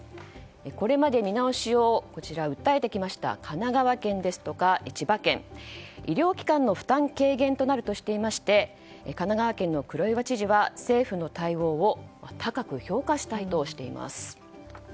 これまで見直しを訴えてきた神奈川県ですとか千葉県医療機関の負担軽減になるとして神奈川県の黒岩知事は政府の対応を高く評価したいとしています。